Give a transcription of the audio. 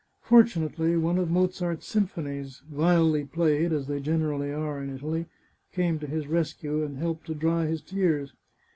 Fortunately, one of Mozart's symphonies — vilely played, as they generally are in Italy — came to his rescue, and helped to dry his tears.